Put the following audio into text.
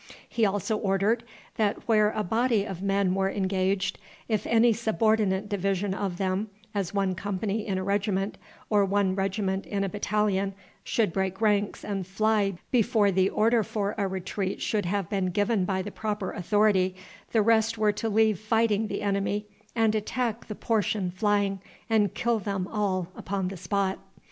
He also ordered that where a body of men were engaged, if any subordinate division of them, as one company in a regiment, or one regiment in a battalion, should break ranks and fly before the order for a retreat should have been given by the proper authority, the rest were to leave fighting the enemy, and attack the portion flying, and kill them all upon the spot.